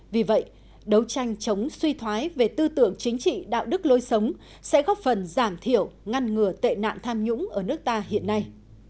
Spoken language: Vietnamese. vì vậy đấu tranh chống suy thoái về tư tưởng chính trị đạo đức lối sống sẽ góp phần giảm thiểu ngăn ngừa tệ nạn tham nhũng ở nước ta hiện nay